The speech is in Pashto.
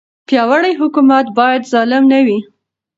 پیاوړی حکومت باید ظالم نه وي.